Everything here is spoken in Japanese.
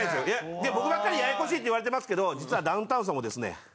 で僕ばっかりややこしいって言われてますけど実はダウンタウンさんもですね